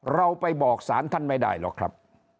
เราไปบอกสารท่านไม่ได้หรอกครับ